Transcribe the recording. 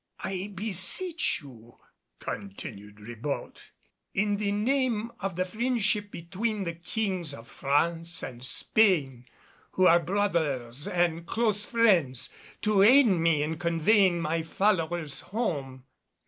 "I beseech you," continued Ribault, "in the name of the friendship between the Kings of France and Spain, who are brothers and close friends, to aid me in conveying my followers home."